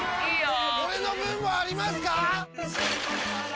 俺の分もありますか！？